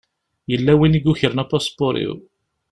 Yella win i yukren apaspuṛ-iw.